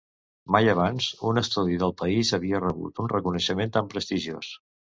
Mai abans, un estudi del país havia rebut un reconeixement tan prestigiós.